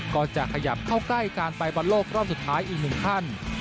ก็จะขยับเข้าใกล้การไปบอลโลกรอบสุดท้ายอีกหนึ่งขั้น